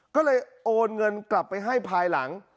ก็เลยโอนเงินกลับไปให้ภายหลัง